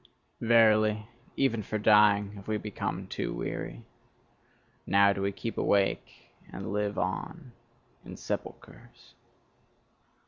Verily, even for dying have we become too weary; now do we keep awake and live on in sepulchres."